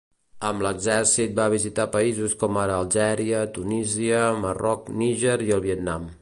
Amb l'exèrcit va visitar països com ara Algèria, Tunísia, Marroc, Níger i el Vietnam.